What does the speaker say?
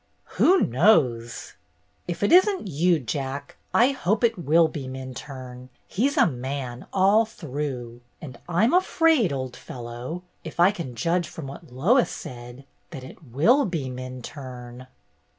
"Who knows!" "If it isn't you. Jack, I hope it will be Minturne. He 's a man all through. And I 'm afraid, old fellow, if I can judge from what Lois says, that it will be Minturne."